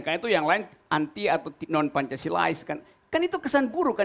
karena itu yang lain anti atau non pancasilais kan itu kesan buruk kan